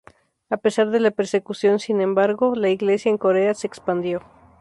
A pesar de la persecución sin embargo, la Iglesia en Corea se expandió.